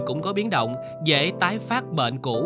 cũng có biến động dễ tái phát bệnh cũ